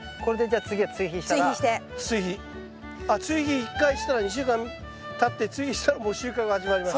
あっ追肥１回したら２週間たって追肥したらもう収穫が始まります。